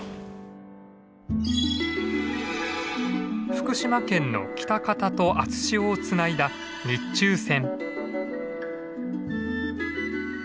福島県の喜多方と熱塩をつないだ日中線。